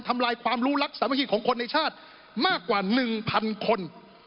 ทำลายความรู้รักสรรพย์ของคนในชาติมากกว่าหนึ่งพันคน